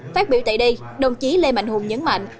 phát biểu tại đây đồng chí lê mạnh hùng nhấn mạnh